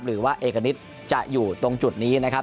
หรือว่าเอกณิตจะอยู่ตรงจุดนี้นะครับ